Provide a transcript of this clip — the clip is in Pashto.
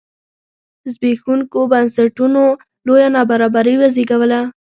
زبېښوونکو بنسټونو لویه نابرابري وزېږوله.